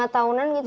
lima tahunan gitu